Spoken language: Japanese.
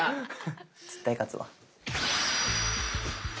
絶対勝つわ！